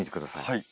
はい。